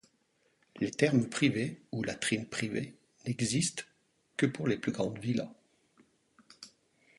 Les thermes privés ou latrines privées n'existent que pour les plus grandes villas.